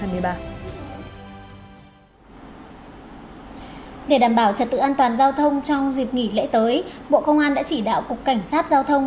để đảm bảo trật tự an toàn giao thông trong dịp nghỉ lễ tới bộ công an đã chỉ đạo cục cảnh sát giao thông